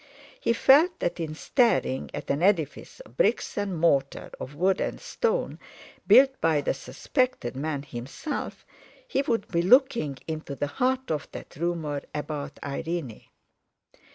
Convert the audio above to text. He felt that in staring at an edifice of bricks and mortar, of wood and stone, built by the suspected man himself, he would be looking into the heart of that rumour about Irene.